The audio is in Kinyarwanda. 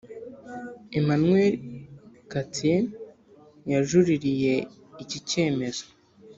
Emmanuel Cattier yajuririye iki cyemezo